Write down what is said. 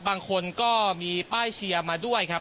บางคนก็มีป้ายเชียร์มาด้วยครับ